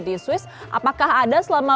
di swiss apakah ada selama